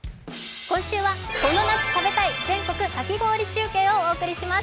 今週は、「この夏食べたい！全国かき氷中継」をお送りします